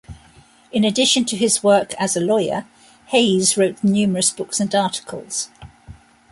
In addition to his work as a lawyer, Hays wrote numerous books and articles.